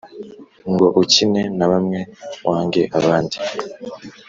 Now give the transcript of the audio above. Ngo ukine na bamwe wange abandi